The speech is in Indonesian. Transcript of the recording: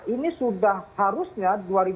ini sudah harusnya dua ribu delapan belas